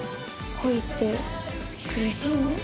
恋って苦しいね。